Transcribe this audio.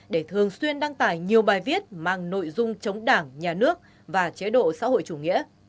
để thường xuyên đăng tải nhiều bài viết mang nội dung chống đảng nhà nước và chế độ xã hội chủ nghĩa